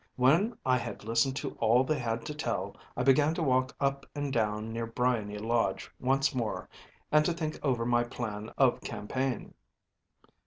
When I had listened to all they had to tell, I began to walk up and down near Briony Lodge once more, and to think over my plan of campaign.